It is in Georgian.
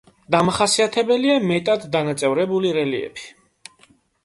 დამახასიათებელია მეტად დანაწევრებული რელიეფი.